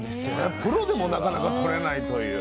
プロでもなかなかとれないという。